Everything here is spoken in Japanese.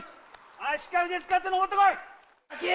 しっかり腕使って上ってこい！